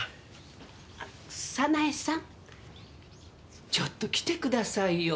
早苗さんちょっと来てくださいよ